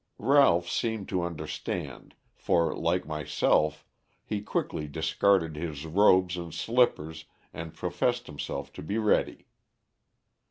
Ralph seemed to understand, for, like myself, he quickly discarded his robes and slippers and professed himself to be ready.